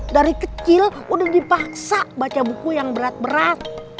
dari kecil udah dipaksa baca buku yang berat berat